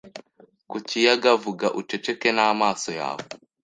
ku kiyagavuga uceceke namaso yawe